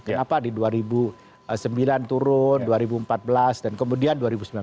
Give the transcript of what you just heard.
kenapa di dua ribu sembilan turun dua ribu empat belas dan kemudian dua ribu sembilan belas